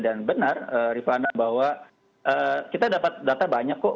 dan benar rifana bahwa kita dapat data banyak kok